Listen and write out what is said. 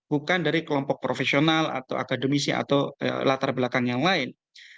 bukan dari kelompok profesional atau akademisi atau latar belakang yang lain